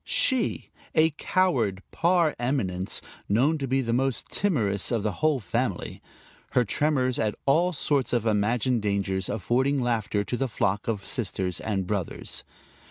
She, a coward par eminence, known to be the most timorous of the whole family; her tremors at all sorts of imagined dangers affording laughter to the flock of sisters and brothers.